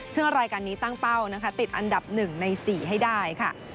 เสื้อรายการนี้ตั้งเป้านะคะติดอันดับหนึ่งในสี่ให้ได้ค่ะ